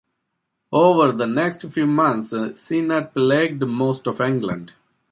Over the next few months, Cnut pillaged most of England.